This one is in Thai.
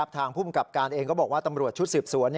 ภูมิกับการเองก็บอกว่าตำรวจชุดสืบสวน